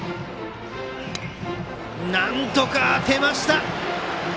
なんとか当てました！